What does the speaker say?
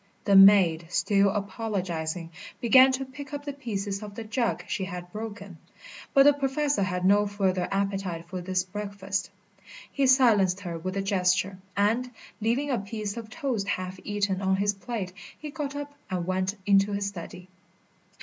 The maid, still apologising, began to pick up the pieces of the jug she had broken; but the Professor had no further appetite for his breakfast. He silenced her with a gesture, and, leaving a piece of toast half eaten on his plate, he got up and went into his study.